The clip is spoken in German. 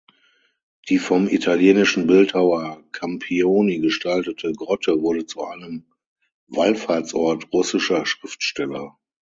Die vom italienischen Bildhauer Campioni gestaltete Grotte wurde zu einem Wallfahrtsort russischer Schriftsteller.